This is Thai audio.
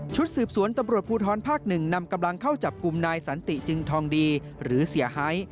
สืบสวนตำรวจภูทรภาค๑นำกำลังเข้าจับกลุ่มนายสันติจึงทองดีหรือเสียหาย